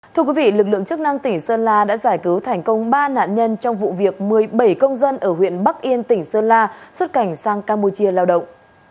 thưa quý vị lực lượng chức năng tỉnh sơn la đã giải cứu thành công ba nạn nhân trong vụ việc một mươi bảy công dân ở huyện bắc yên tỉnh sơn la xuất cảnh sang campuchia lao động